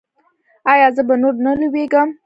ایا زه به نور نه لویږم؟